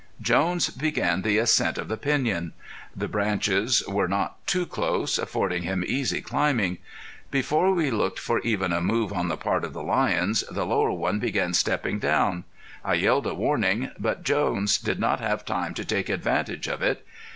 Jones began the ascent of the piñon. The branches were not too close, affording him easy climbing. Before we looked for even a move on the part of the lions, the lower one began stepping down. I yelled a warning, but Jones did not have time to take advantage of it.